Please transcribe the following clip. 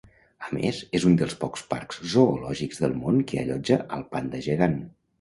A més, és un dels pocs parcs zoològics del món que allotja al panda gegant.